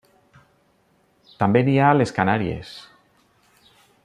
També n'hi ha a les Canàries.